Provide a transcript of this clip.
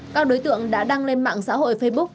các đối tượng đã đăng lên mạng xã hội facebook